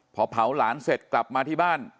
พอเผาหลานเสร็จกลับมาที่บ้าน